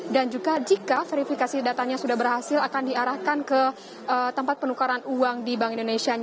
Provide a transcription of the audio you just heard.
dan juga jika verifikasi datanya sudah berhasil akan diarahkan ke tempat penukaran uang di bank indonesia